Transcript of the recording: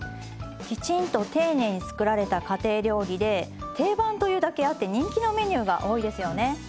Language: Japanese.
きちんと丁寧に作られた家庭料理で定番というだけあって人気のメニューが多いですよね。